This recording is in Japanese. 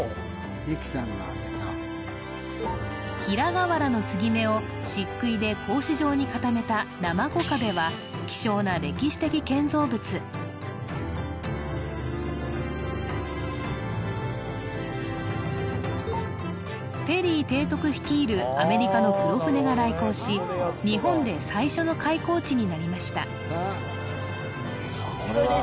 秀樹さんが挙げた平瓦の継ぎ目を漆喰で格子状に固めたなまこ壁は希少な歴史的建造物ペリー提督率いるアメリカの黒船が来航し日本で最初の開港地になりました